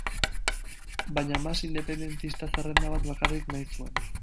Baina Mas independentista-zerrenda bat bakarrik nahi zuen.